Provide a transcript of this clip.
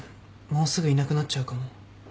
もうすぐいなくなっちゃうかも。